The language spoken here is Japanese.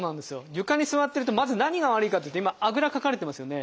床に座ってるとまず何が悪いかっていうと今あぐらかかれてますよね。